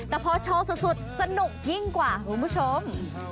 แต่พอโชว์สุดสนุกยิ่งกว่าคุณผู้ชม